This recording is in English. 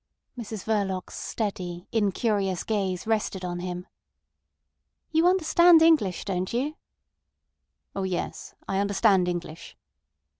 Mrs Verloc's steady, incurious gaze rested on him. "You understand English, don't you?" "Oh yes. I understand English."